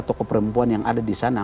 toko perempuan yang ada disana